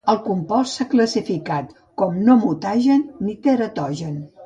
El compost s'ha classificat com no mutagen ni teratogen.